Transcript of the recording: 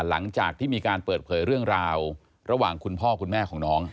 หลังจากที่มีการเปิดเผยเรื่องราวระหว่างคุณพ่อคุณแม่ของน้อง